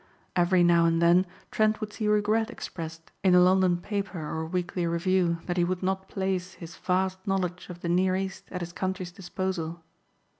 Every now and then Trent would see regret expressed in a London paper or weekly review that he would not place his vast knowledge of the near East at his country's disposal.